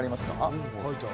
うん書いてある。